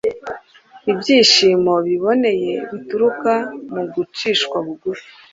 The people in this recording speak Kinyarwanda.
Ibyishimo biboneye bituruka mu gucishwa bugufi.